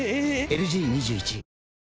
⁉ＬＧ２１姉）